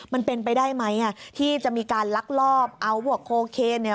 มันเป็นไปได้ไหมอ่ะที่จะมีการลักลอบเอาพวกโคเคนเนี่ย